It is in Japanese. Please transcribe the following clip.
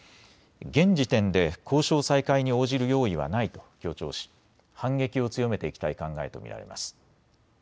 現時点で交渉再開に応じる用意はないと強調し反撃を強めていきたい考えと見られます。